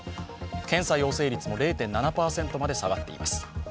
検査陽性率も０．７％まで下がっています。